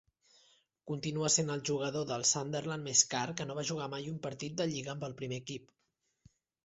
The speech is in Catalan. Continua sent el jugador del Sunderland més car que no va jugar mai un partit de lliga amb el primer equip.